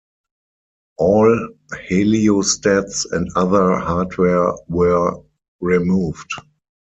All heliostats and other hardware were removed.